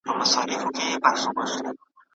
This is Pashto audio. خو د بل ځای یادونه نشته، لکه چې تورې پیسې وې؟